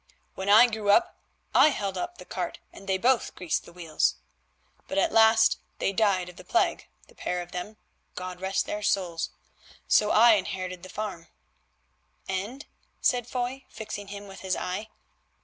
When I grew up I held the cart and they both greased the wheels. But at last they died of the plague, the pair of them, God rest their souls! So I inherited the farm——" "And—" said Foy, fixing him with his eye.